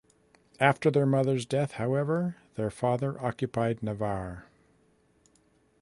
After their mother's death, however, their father occupied Navarre.